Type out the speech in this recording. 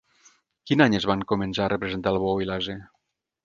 Quin any es van començar a representar el bou i l'ase?